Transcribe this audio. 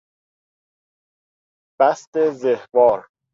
بست زهوار